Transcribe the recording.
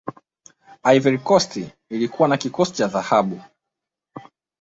ivory coast ilikuwana kikosi cha dhahabu